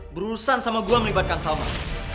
berurusan sama gue melibatkan salman